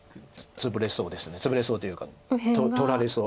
ツブれそうというか取られそう。